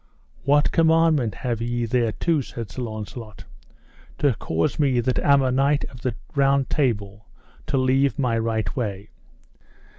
What commandment have ye thereto, said Sir Launcelot, to cause me that am a knight of the Round Table to leave my right way?